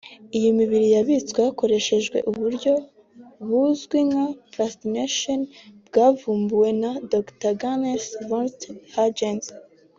Iyi mibiri yabitswe hakoreshejwe uburyo buzwi nka ’Plastination’ bwavumbuwe na Dr Gunther von Hagens